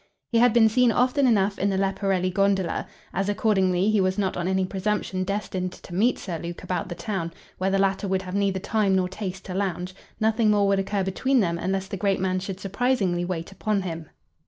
He had been seen often enough in the Leporelli gondola. As, accordingly, he was not on any presumption destined to meet Sir Luke about the town, where the latter would have neither time nor taste to lounge, nothing more would occur between them unless the great man should surprisingly wait upon him.